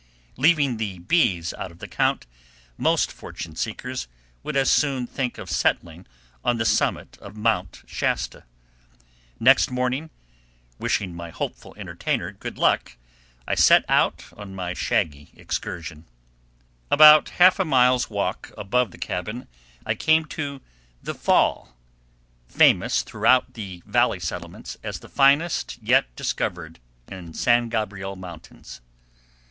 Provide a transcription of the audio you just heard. Leaving the bees out of the count, most fortune seekers would as soon think of settling on the summit of Mount Shasta. Next morning, wishing my hopeful entertainer good luck, I set out on my shaggy excursion. [Illustration: A BEE PASTURE ON THE MORAINE DESERT, SPANISH BAYONET.] About half an hour's walk above the cabin, I came to "The Fall," famous throughout the valley settlements as the finest yet discovered in the San Gabriel Mountains.